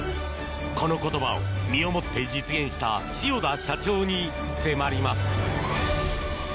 この言葉を身をもって実現した塩田社長に迫ります。